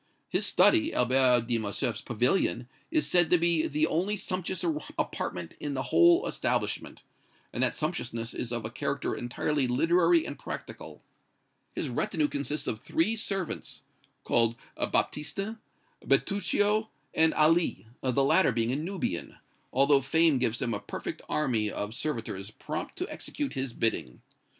His study, Albert de Morcerf's pavilion, is said to be the only sumptuous apartment in the whole establishment; and that sumptuousness is of a character entirely literary and practical. His retinue consists of three servants, called Baptistin, Bertuccio and Ali, the latter being a Nubian, although fame gives him a perfect army of servitors prompt to execute his bidding.